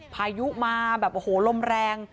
พายุมาแบบโอ้โหลมแรง